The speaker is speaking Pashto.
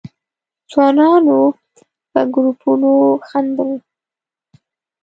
ځوانانو په گروپونو خندل.